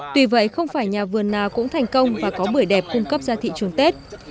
tuy vậy không phải nhà vườn nào cũng thành công và có bưởi đẹp cung cấp ra thị trường tết